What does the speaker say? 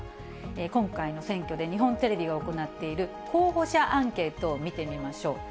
今回の選挙で日本テレビが行っている候補者アンケートを見てみましょう。